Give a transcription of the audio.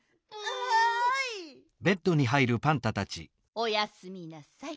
おやすみなさい。